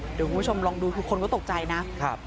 เดี๋ยวคุณผู้ชมลองดูคือคนก็ตกใจนะ